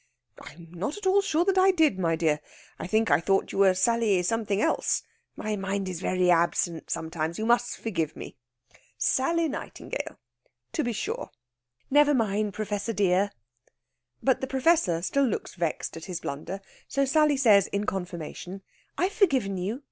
"I'm not at all sure that I did, my dear. I think I thought you were Sally Something else. My mind is very absent sometimes. You must forgive me. Sally Nightingale! To be sure!" "Never mind, Professor dear!" But the Professor still looks vexed at his blunder. So Sally says in confirmation, "I've forgiven you.